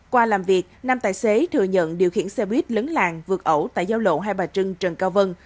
qua làm việc năm tài xế thừa nhận điều khiển xe buýt lấn làng vượt ẩu tại giao lộ hai bà trưng trần cao vân